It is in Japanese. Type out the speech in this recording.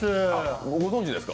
ご存じですか？